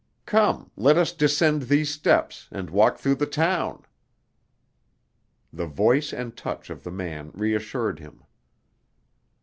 Come, let us descend these steps, and walk through the town!" The voice and touch of the man reassured him.